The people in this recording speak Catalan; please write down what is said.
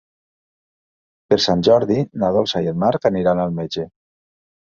Per Sant Jordi na Dolça i en Marc aniran al metge.